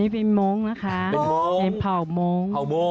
เป็นโม้งเป็นเภาโม้ง